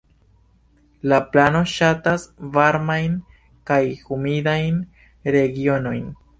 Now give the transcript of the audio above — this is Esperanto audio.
La planto ŝatas varmajn kaj humidajn regionojn.